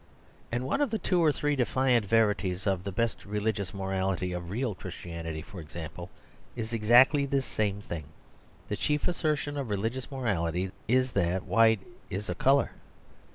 And one of the two or three defiant verities of the best religious morality, of real Christianity, for example, is exactly this same thing; the chief assertion of religious morality is that white is a colour.